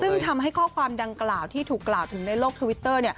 ซึ่งทำให้ข้อความดังกล่าวที่ถูกกล่าวถึงในโลกทวิตเตอร์